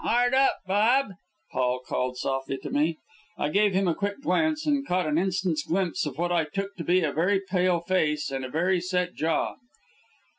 "Hard up, Bob!" Paul called softly to me. I gave him a quick glance, and caught an instant's glimpse of what I took to be a very pale face and a very set jaw.